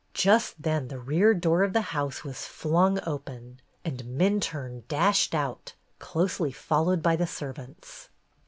Just then the rear door of the house was flung open, and Minturne dashed out, closely followed by the servants.